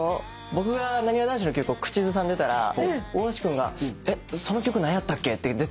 僕がなにわ男子の曲を口ずさんでたら大橋君が「えっその曲何やったっけ？」って絶対聞いてくるんですよ。